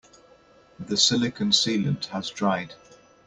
The silicon sealant has dried.